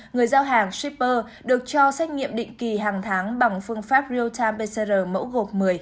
người giao hàng shipper được cho xét nghiệm định kỳ hàng tháng bằng phương pháp real time pcr mẫu gộp một mươi